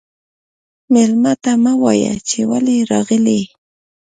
مېلمه ته مه وايه چې ولې راغلې.